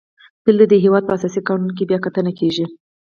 دلته د هیواد په اساسي قانون بیا کتنه کیږي.